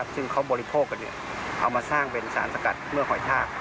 ซึ่งเขาบริโภคกันเอามาสร้างเป็นสารสกัดเมื่อหอยทาก